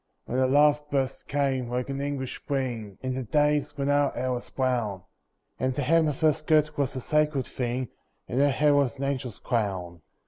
When the love burst came, like an English Spring, In the days when our hair was brown, And the hem of her skirt was a sacred thing And her hair was an angel's crown.